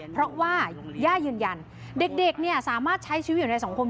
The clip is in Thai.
เพราะว่าย่ายืนยันเด็กสามารถใช้ชีวิตอยู่ในสังคม